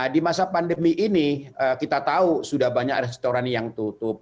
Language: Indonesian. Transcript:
di masa pandemi ini kita tahu sudah banyak restoran yang tutup